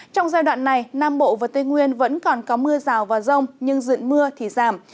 trong giai đoạn này nam bộ và tây nguyên vẫn còn có mưa rào và rông nhưng dựng mưa thì giảm